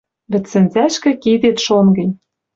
Вӹдсӹнзӓшкӹ кидет шон гӹнь.